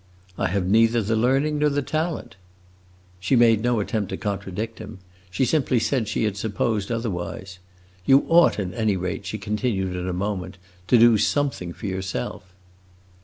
"I have neither the learning nor the talent." She made no attempt to contradict him; she simply said she had supposed otherwise. "You ought, at any rate," she continued in a moment, "to do something for yourself."